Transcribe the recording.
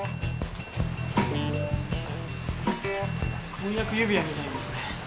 婚約指輪みたいですね。